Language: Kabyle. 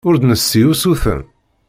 Ur d-nessi usuten.